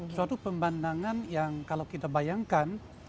suatu pemandangan yang kalau kita bayangkan